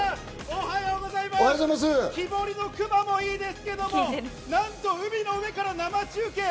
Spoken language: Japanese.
木彫りの熊もいいですけど、なんと、海の上から生中継！